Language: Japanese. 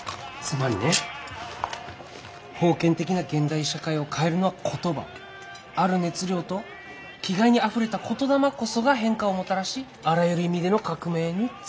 つまりね封建的な現代社会を変えるのは言葉ある熱量と気概にあふれた言霊こそが変化をもたらしあらゆる意味での革命につながる。